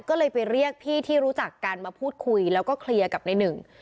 ก็เลยไปเรียกพี่ที่รู้จักกันมาพูดคุยแล้วก็เคลียร์กับในหนึ่ง